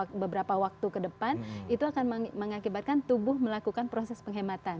karena beberapa waktu ke depan itu akan mengakibatkan tubuh melakukan proses penghematan